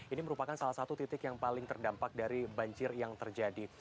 ini merupakan salah satu titik yang paling terdampak dari banjir yang terjadi